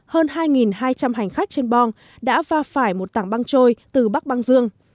hơn hai hai trăm linh hành khách trên bong đã va phải một tảng băng trôi từ bắc băng dương